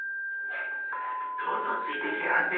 とうとうついてきやがって。